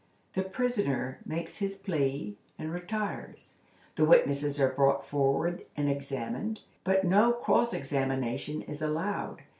The prisoner makes his plea, and retires. The witnesses are brought forward and examined, but no cross examination is allowed.